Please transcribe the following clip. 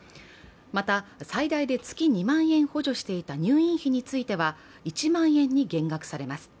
また、最大で月２万円補助していた入院費については１万円に減額されます。